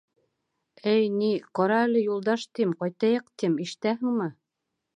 — Эй, ни, ҡара әле, Юлдаш, тим, ҡайтайыҡ, тим, ишетәһеңме?!